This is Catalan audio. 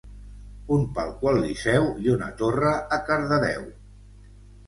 Un palco al Liceu i una torre a Cardedeu